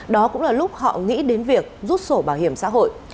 đó cũng là lúc họ nghĩ đến việc rút sổ bảo hiểm xã hội